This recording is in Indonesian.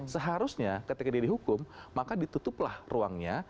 seharusnya ketika dia dihukum maka ditutuplah ruangnya